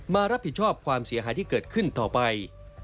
มารับผิดชอบความเสียหายที่เกิดขึ้นต่อไป